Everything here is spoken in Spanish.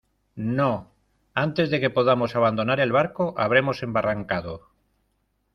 no, antes de que podamos abandonar el barco , habremos embarrancado ;